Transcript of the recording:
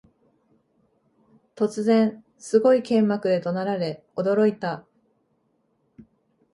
突然、すごい剣幕で怒鳴られ驚いた